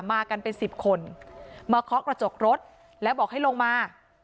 มากันเป็นสิบคนมาเคาะกระจกรถแล้วบอกให้ลงมา